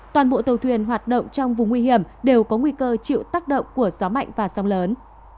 toàn bộ tàu thuyền hoạt động trong vùng nguy hiểm đều có nguy cơ chịu tác động của gió mạnh và sông lớn